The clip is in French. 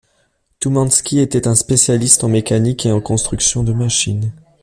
Toumanski était un spécialiste en mécanique et en construction de machines.